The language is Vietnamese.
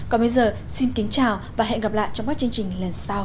còn bây giờ xin kính chào và hẹn gặp lại trong các chương trình lần sau